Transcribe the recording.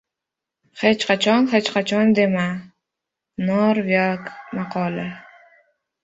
Hech qachon «hech qachon» dema. Norveg maqoli